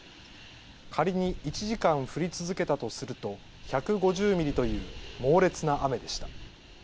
仮に１時間降り続けたとすると１５０ミリという猛烈な雨でした。